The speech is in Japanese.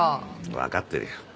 わかってるよ。